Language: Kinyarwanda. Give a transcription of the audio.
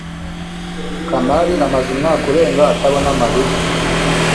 kamari amaze umwaka urenga atabona mariya